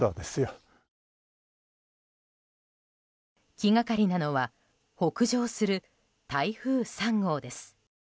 気がかりなのは北上する台風３号です。